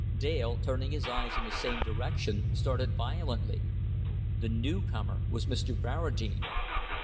Dale, turning his eyes in the same direction, started violently. The newcomer was Mr. Barradine.